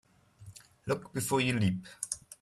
Look before you leap.